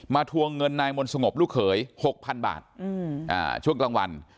ทวงเงินนายมนต์สงบลูกเขย๖๐๐๐บาทช่วงกลางวัน